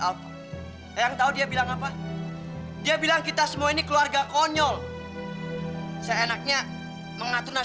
lo nyadar gak sih ton